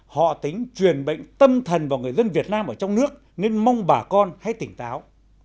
họ tính truyền bệnh tâm thần vào người dân việt nam ở trong nước nên mong bà con hãy tỉnh táo